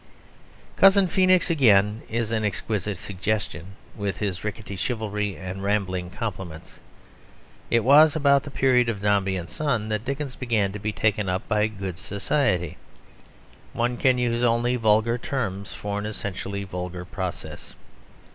Cousin Feenix again is an exquisite suggestion, with his rickety chivalry and rambling compliments. It was about the period of Dombey and Son that Dickens began to be taken up by good society. (One can use only vulgar terms for an essentially vulgar process.)